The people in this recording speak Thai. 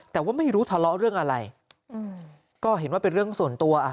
แต่ว่าไม่รู้ทะเลาะเรื่องอะไรก็เห็นว่าเป็นเรื่องส่วนตัวอ่ะ